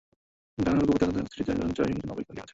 রঘুপতি অত্যন্ত অস্থিরচিত্তে জয়সিংহের জন্য অপেক্ষা করিয়া আছেন।